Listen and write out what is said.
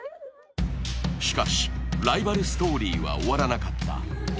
しかし、ライバルストーリーは終わらなかった。